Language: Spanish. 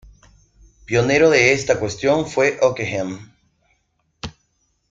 Pionero de esta cuestión fue Ockeghem.